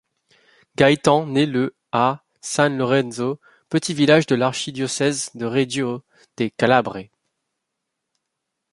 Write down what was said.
Gaétan né le à San Lorenzo petit village de l'archidiocèse de Reggio de Calabre.